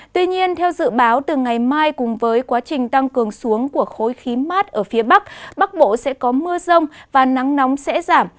tuy nhiên theo dự báo từ ngày mai cùng với quá trình tăng cường xuống của khối khí mát ở phía bắc bắc bộ sẽ có mưa rông và nắng nóng sẽ giảm